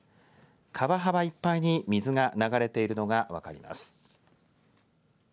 川幅いっぱいに水が流れているのが分かります。